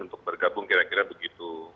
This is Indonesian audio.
untuk bergabung kira kira begitu